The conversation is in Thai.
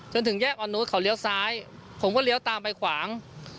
จนถึงแยกอ่อนนุษย์เขาเลี้ยวซ้ายผมก็เลี้ยวตามไปขวาง